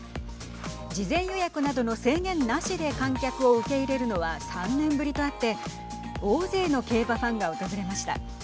事前予約などの制限なしで観客を受け入れるのは３年ぶりとあって大勢の競馬ファンが訪れました。